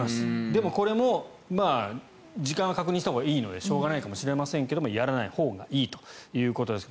でも、これも時間は確認したほうがいいのでしょうがないですがやらないほうがいいということです。